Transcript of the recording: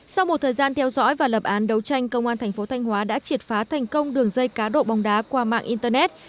sau một thời gian theo dõi và lập án đấu tranh công an thành phố thanh hóa đã triệt phá thành công đường dây cá độ bóng đá qua mạng internet